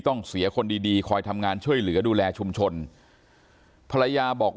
ต้องเสียคนดีดีคอยทำงานช่วยเหลือดูแลชุมชนภรรยาบอก